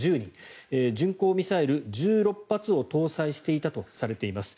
巡航ミサイル１６発を搭載していたとされています。